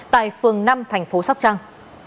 tại phường năm thành phố sóc trăng